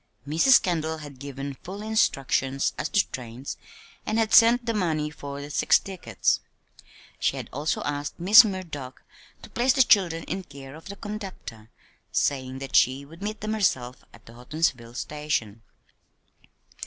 Mrs. Kendall had given full instructions as to trains, and had sent the money for the six tickets. She had also asked Miss Murdock to place the children in care of the conductor, saying that she would meet them herself at the Houghtonsville station.